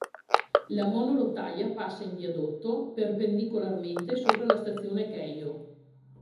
La monorotaia passa in viadotto perpendicolarmente sopra la stazione Keio.